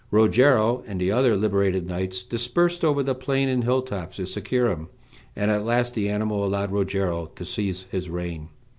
Rogero and the other liberated knights dispersed over the plain and hilltops to secure him, and at last the animal allowed Rogero to seize his rein.